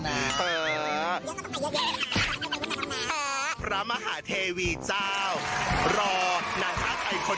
น้องเชี่ยมากเหรอเคียงใดก็จะมาหาแม่จงได้จ้ะ